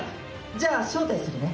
じゃあ招待するね。